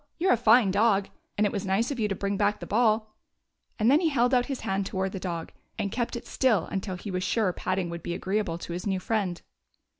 You 're a fine dog, and it was nice of you to bring back the ball ;" and then he held out his hand toward the dog, and kept it still until he was sure patting would be agreeable to his new friend.